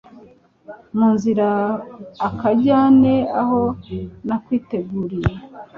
mu nzira akujyane aho nakwiteguriye